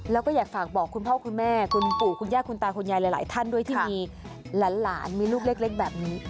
แล้วก็อยากฝากบอกคุณพ่อคุณแม่คุณปู่คุณย่าคุณตาคุณยายหลายท่านด้วยที่มีหลานมีลูกเล็กแบบนี้